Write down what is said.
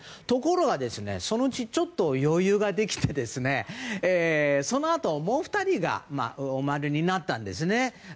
ところが、そのうちちょっと余裕ができてそのあともう２人がお生まれになったんですね。